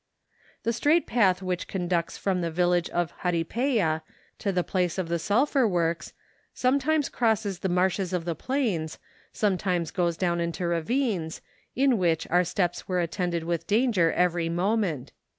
The straight path which conducts from the village of Jaripea to the place of the sulphur works, sometimes crosses the marshes of the plains, sometimes goes down into ravines, in which our steps were attended with danger every moment.